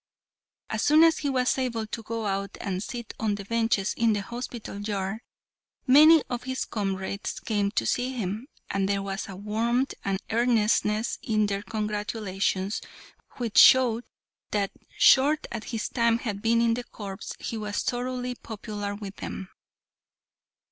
As soon as he was able to go out and sit on the benches in the hospital yard, many of his comrades came to see him, and there was a warmth and earnestness in their congratulations which showed that short as his time had been in the corps, he was thoroughly popular with them.